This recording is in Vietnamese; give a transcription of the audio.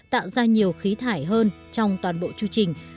tạo ra nhiều khí thải hơn trong toàn bộ chương trình